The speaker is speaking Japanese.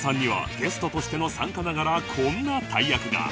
ゲストとしての参加ながらこんな大役が